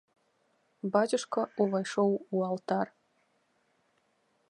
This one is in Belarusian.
Бацюшка ўвайшоў у алтар.